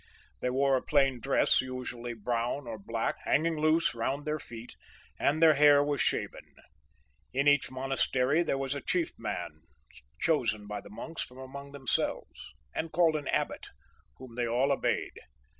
They wore a plain dress, usually brown or black, hanging loose round their feet, and their hair was shaven. In each monastery there was a chief man chosen by the monks from among themselves, and called an abbot, whom they all obeyed.